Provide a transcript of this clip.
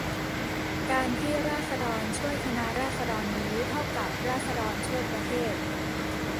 การที่ราษฎรช่วยคณะราษฎรนี้ เท่ากับราษฎรช่วยประเทศ